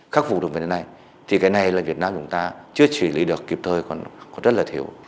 phục vụ được về thế này thì cái này là việt nam chúng ta chưa chỉ lý được kịp thời còn rất là thiếu